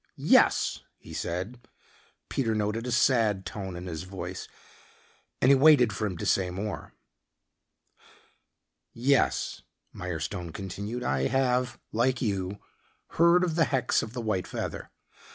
"Yes," he said. Peter noted a sad tone in his voice, and he waited for him to say more. "Yes," Mirestone continued. "I have, like you, heard of the hex of the white feather.